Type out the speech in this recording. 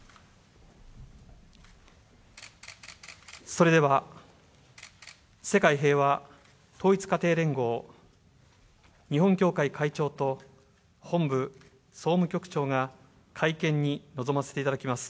それでは、世界平和統一家庭連合日本協会会長と、本部総務局長が会見に臨ませていただきます。